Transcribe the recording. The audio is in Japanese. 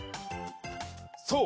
そう！